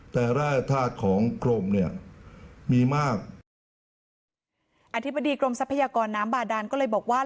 แต่แร่ธาตุของกรมเนี่ยมีมากอธิบดีกรมทรัพยากรน้ำบาดานก็เลยบอกว่า